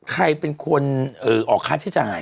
ใครเป็นคนออกค่าใช้จ่าย